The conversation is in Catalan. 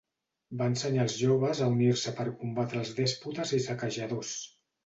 Va ensenyar als joves a unir-se per combatre els dèspotes i saquejadors.